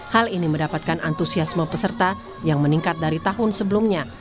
hal ini mendapatkan antusiasme peserta yang meningkat dari tahun sebelumnya